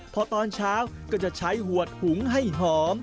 พอตอนเช้าก็จะใช้หวดหุงให้หอม